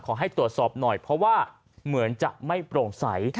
ขอให้ตรวจสอบหน่อยเพราะว่าเหมือนจะไม่โปร่งใส